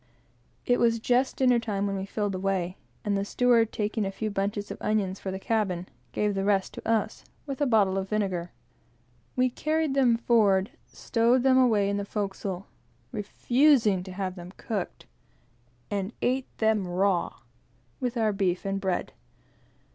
It was just dinner time when we filled away; and the steward, taking a few bunches of onions for the cabin, gave the rest to us, with a bottle of vinegar. We carried them forward, stowed them away in the forecastle, refusing to have them cooked, and ate them raw, with our beef and bread.